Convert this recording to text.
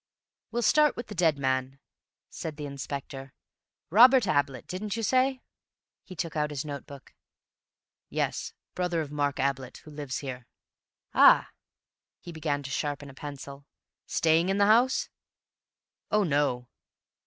"We'll start with the dead man," said the Inspector. "Robert Ablett, didn't you say?" He took out his notebook. "Yes. Brother of Mark Ablett, who lives here." "Ah!" He began to sharpen a pencil. "Staying in the house?" "Oh, no!"